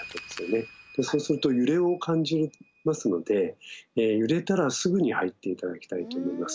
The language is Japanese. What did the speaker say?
そうすると揺れを感じますので揺れたらすぐに入って頂きたいと思います。